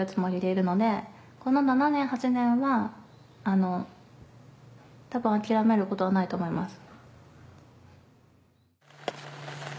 この７年８年は多分諦めることはないと思います。